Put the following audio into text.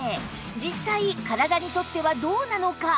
実際体にとってはどうなのか？